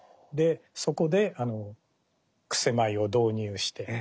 そこで曲舞を導入して。